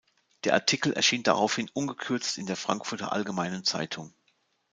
Der Artikel erschien daraufhin ungekürzt in der Frankfurter Allgemeinen Zeitung.